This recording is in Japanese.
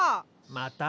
また？